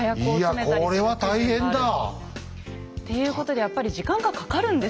いやこれは大変だ。っていうことでやっぱり時間がかかるんですよね。